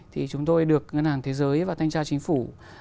thì chúng tôi được ngân hàng thế giới và thanh tra chính phủ